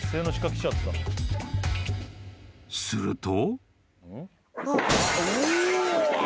［すると］